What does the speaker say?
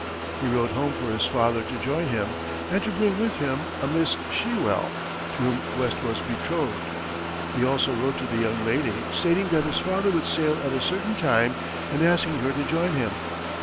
He wrote home for his father to join him, and to bring with him a Miss Shewell, to whom West was betrothed. He also wrote to the young lady, stating that his father would sail at a certain time, and asking her to join him.